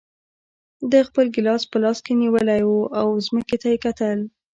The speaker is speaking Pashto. ده خپل ګیلاس په لاس کې نیولی و او ځمکې ته یې کتل.